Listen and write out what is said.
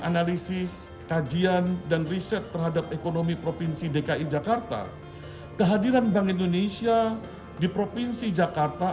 analisis kajian dan riset terhadap ekonomi provinsi dki jakarta kehadiran bank indonesia di provinsi jakarta